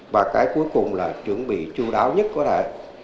và cái cuối cùng là chuẩn bị chú đáo nhất có thể